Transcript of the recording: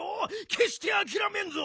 けっしてあきらめんぞ！